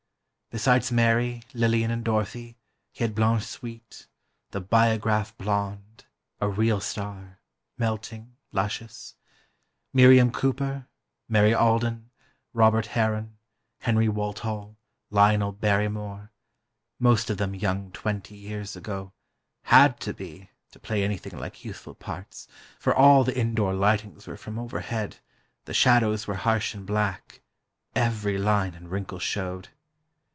Besides Mary, Lillian and Dorothy, he had Blanche Sweet, "the Biograph blonde," a real star, melting, luscious; Miriam Cooper, Mary Alden, Robert Harron, Henry Walthall, Lionel Barrymore—most of them young twenty years ago—had to be, to play anything like youthful parts, for all the indoor lightings were from overhead, the shadows were harsh and black—every line and wrinkle showed.